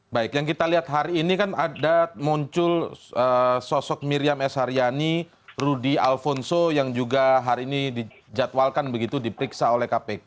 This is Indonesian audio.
baik yang kita lihat hari ini kan ada muncul sosok miriam s haryani rudy alfonso yang juga hari ini dijadwalkan begitu diperiksa oleh kpk